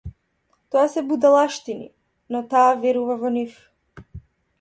Тоа се будалштини, но таа верува во нив.